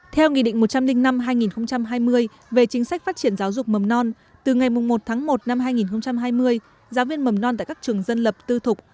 theo nghị định một trăm linh năm hai nghìn hai mươi về chính sách phát triển giáo dục mầm non từ ngày một tháng một năm hai nghìn hai mươi giáo viên mầm non tại các trường dân lập tư thục